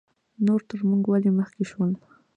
نور تر موږ ولې مخکې شول؟